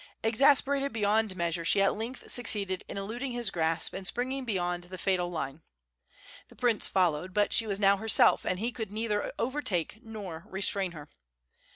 Exasperated beyond measure, she at length succeeded in eluding his grasp and springing beyond the fatal line. The prince followed, but she was now herself, and he could neither overtake nor restrain her.